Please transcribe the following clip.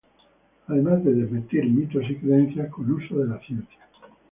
Además de desmentir mitos y creencias con uso de la ciencia.